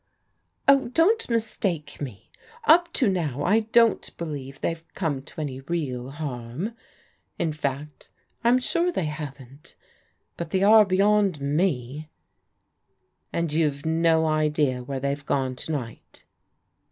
"^" Oh, don't mistake me. Up to now, I don't believe they've come to any real harm. In fact I'm sure they haven't. But they are beyond me*' " And you've no idea where they've gone to night?"